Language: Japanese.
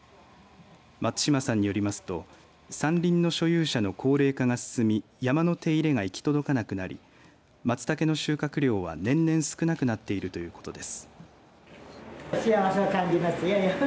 松島さんによりますと山林の所有者の高齢化が進み山の手入れが行き届かなくなりまつたけの収穫量は年々少なくなっているということです。